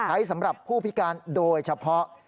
สำหรับผู้พิการโดยเฉพาะ